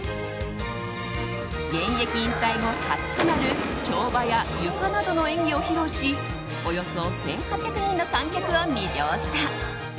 現役引退後初となる跳馬や、ゆかなどの演技を披露しおよそ１８００人の観客を魅了した。